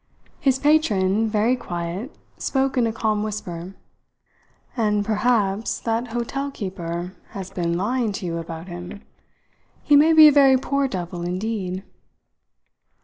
His patron, very quiet, spoke in a calm whisper: "And perhaps that hotel keeper has been lying to you about him. He may be a very poor devil indeed."